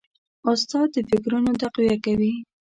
استاد د فکرونو تقویه کوي.